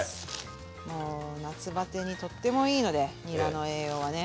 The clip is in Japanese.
もう夏バテにとってもいいのでにらの栄養はね。